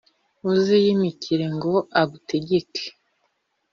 uziyimikira ngo agutegeke,